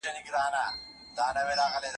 پر پلونو پل ږدي